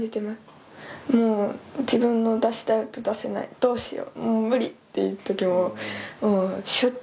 もう自分の出したい音出せないどうしようもう無理っていう時もしょっちゅうあるし